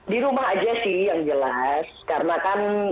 di rumah aja sih yang jelas karena kan